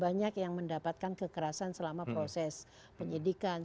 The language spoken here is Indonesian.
banyak yang mendapatkan kekerasan selama proses penyidikan